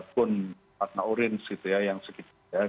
pun warna orange gitu ya yang sedikit ya